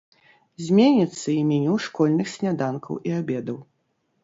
Зменіцца і меню школьных сняданкаў і абедаў.